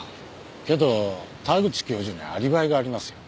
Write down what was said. けど田口教授にはアリバイがありますよ。